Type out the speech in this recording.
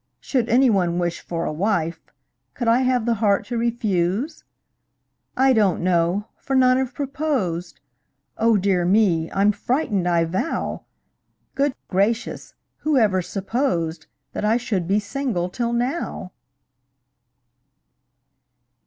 Should any one wish for a wife, Could I have the heart to refuse? I don't know for none have proposed Oh, dear me! I'm frightened, I vow! Good gracious! who ever supposed That I should be single till now?